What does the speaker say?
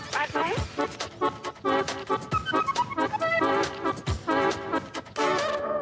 ปลาดไหน